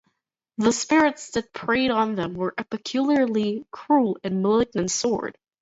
The spirits that preyed on them were of a peculiarly cruel and malignant sort.